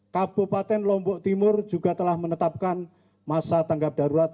kabupaten lombok timur juga telah menetapkan masa tanggap darurat